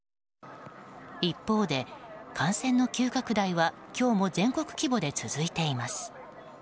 一方で、感染の急拡大は今日も全国規模で続いています。